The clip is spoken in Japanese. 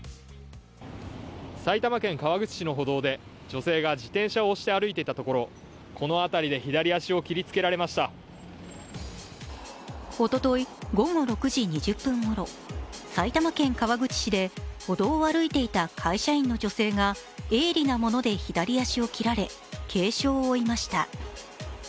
埼玉県川口市の歩道で女性が自転車を押して歩いていたところ、この辺りでおととい午後６時２０分ごろ、埼玉県川口市で歩道を歩いていた会社員の女性が鋭利なもので左足を切られ、軽傷を負いました。